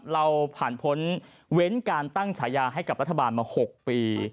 เราผ่านพ้นเว้นการตั้งฉายาให้กับรัฐบาลมา๖ปี